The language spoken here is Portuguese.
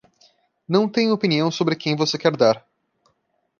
Não tenho opinião sobre quem você quer dar.